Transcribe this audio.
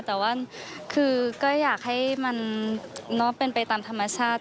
แต่ว่าคือก็อยากให้มันเป็นไปตามธรรมชาติ